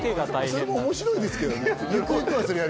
それも面白いですけどね。